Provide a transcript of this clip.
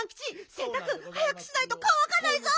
せんたく早くしないとかわかないぞ！